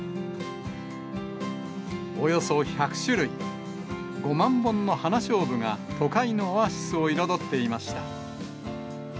およそ１００種類、５万本の花しょうぶが都会のオアシスを彩っていました。